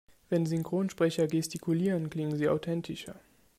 Wenn Synchronsprecher gestikulieren, klingen sie authentischer.